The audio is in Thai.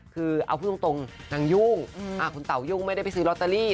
คือเอาพูดตรงนางยุ่งคุณเต่ายุ่งไม่ได้ไปซื้อลอตเตอรี่